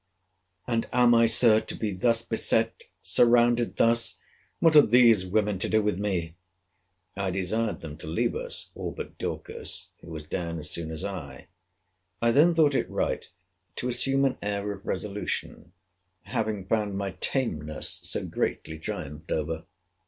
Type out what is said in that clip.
And am I, Sir, to be thus beset?—Surrounded thus?—What have these women to do with me? I desired them to leave us, all but Dorcas, who was down as soon as I. I then thought it right to assume an air of resolution, having found my tameness so greatly triumphed over.